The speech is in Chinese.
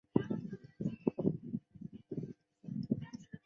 接地常数会随各地区的土壤化学成份以及密度而不同。